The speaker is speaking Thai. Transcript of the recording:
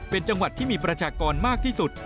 เป็นจังหวัดที่มีประชากรมากที่สุด